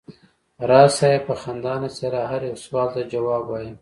راز صاحب په خندانه څېره هر یو سوال ته ځواب وایه.